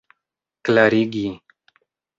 klarigi